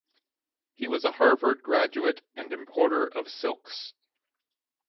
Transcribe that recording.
He was a Harvard graduate and importer of silks.